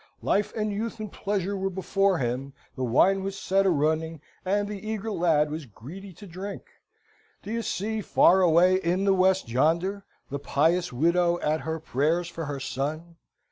Life and youth and pleasure were before him, the wine was set a running, and the eager lad was greedy to drink. Do you see, far away in the west yonder, the pious widow at her prayers for her son?